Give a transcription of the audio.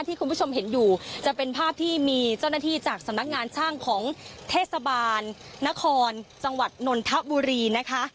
ที่คุณผู้ชมเห็นอยู่จะเป็นภาพที่มีเจ้าหน้าที่จากสำนักงานช่างของเทศบาลนครจังหวัดนนทบุรีนะคะ